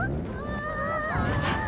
ああ。